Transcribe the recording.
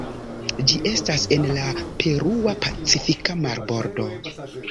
Ĝi estas en la Perua Pacifika marbordo.